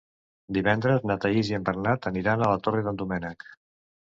Divendres na Thaís i en Bernat aniran a la Torre d'en Doménec.